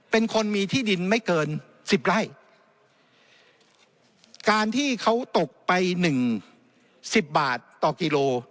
เป็นคนมีที่ดินไม่เกินสิบไร่การที่เขาตกไปหนึ่งสิบบาทต่อกิโล